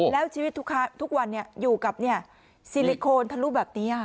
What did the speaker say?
แล้วชีวิตทุกวันเนี่ยอยู่กับเนี่ยซิลิโคนทะลุแบบนี้อ่ะ